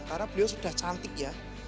karena beliau sudah cantik ya